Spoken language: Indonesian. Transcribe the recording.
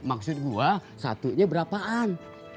maksud gue satunya berapaan